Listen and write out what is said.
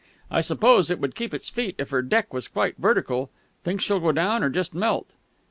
"I suppose it would keep its feet if her deck was quite vertical. Think she'll go down, or just melt?"